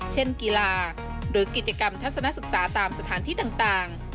เช่นกีฬาหรือกิจกรรมทัศนศึกษาตามสถานที่ต่าง